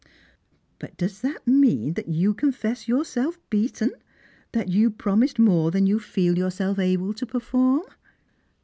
" But does that mean that you confess yourself beaten — that you promised more than you feel yourself able to perform